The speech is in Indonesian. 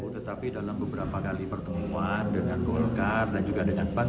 tetapi dalam beberapa kali pertemuan dengan golkar dan juga dengan pan